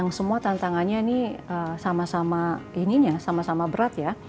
dan semua tantangannya ini sama sama ininya sama sama berat ya